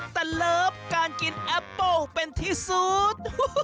แต่เลิฟการกินแอปเปิ้ลเป็นที่สุด